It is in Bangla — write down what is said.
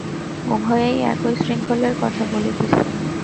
উভয়েই একই শৃঙ্খলের কথা বলিতেছেন।